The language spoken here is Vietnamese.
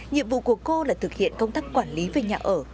nhiệm vụ của cô là thực hiện công tác quản lý về nhà ở